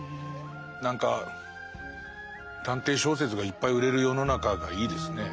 何か探偵小説がいっぱい売れる世の中がいいですね。